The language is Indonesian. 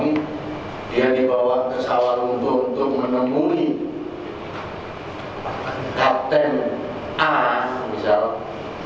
jadi semua yang dia ceritakan paman yang angkatan laut yang dia kenal dengan kapten a ada pada pemerintahan awal kami